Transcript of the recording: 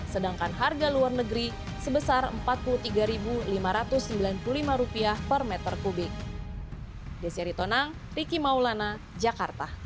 sedangkan harga luar negeri sebesar rp empat puluh tiga lima ratus sembilan puluh lima per meter kubik